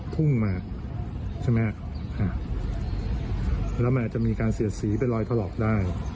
พุ่งมาใช่ไหมแล้วมันอาจจะมีการเสียดสีเป็นรอยถลอกได้